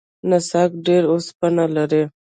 نسک ډیر اوسپنه لري.